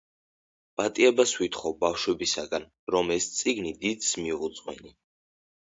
პატიებას ვითხოვ ბავშვებისაგან, რომ ეს წიგნი დიდს მივუძღვენი.